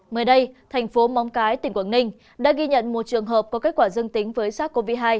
mới đây thành phố móng cái tỉnh quảng ninh đã ghi nhận một trường hợp có kết quả dương tính với sars cov hai